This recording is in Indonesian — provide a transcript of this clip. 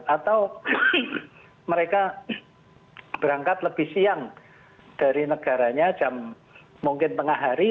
atau mereka berangkat lebih siang dari negaranya jam mungkin tengah hari